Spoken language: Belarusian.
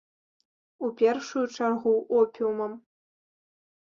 У першую чаргу опіумам.